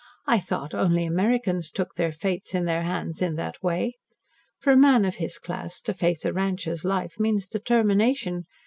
"I thought only Americans took their fates in their hands in that way. For a man of his class to face a rancher's life means determination.